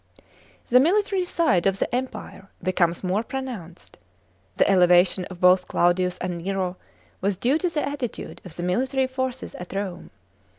(2) The military side of the Empire becomes more pronouncedt The elevation of both Claudius and Nero was due to the attitude of the military forces at Rome.